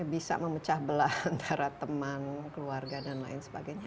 bisa memecah belah antara teman keluarga dan lain sebagainya